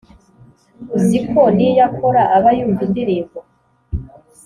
uziko niyo akora aba yumva indirimbo